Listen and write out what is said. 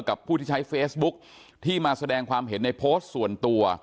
ผู้ที่ใช้เฟซบุ๊กที่มาแสดงความเห็นในโพสต์ส่วนตัว